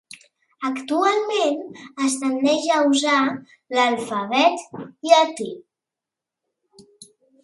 Actualment es tendeix a usar l'alfabet llatí.